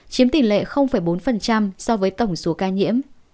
chiếm tỷ lệ bốn so với tổng số ca nhiễm